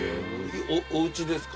おうちですか？